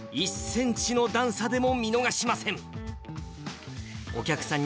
１センチの段差でも見逃しません。